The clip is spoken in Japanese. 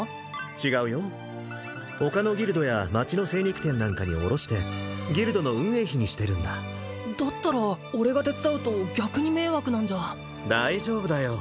違うよ他のギルドや街の精肉店なんかに卸してギルドの運営費にしてるんだだったら俺が手伝うと逆に迷惑なんじゃ大丈夫だよ